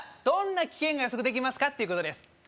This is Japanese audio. どんな危険が予測できますかっていうことです